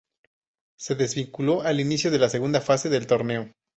Se desvinculó al inicio de la segunda fase del torneo.